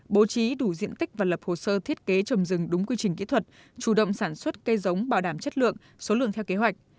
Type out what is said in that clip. bố trí đủ diện tích và lập hồ sơ thiết kế trồng rừng đúng quy trình kỹ thuật chủ động sản xuất cây giống bảo đảm chất lượng số lượng theo kế hoạch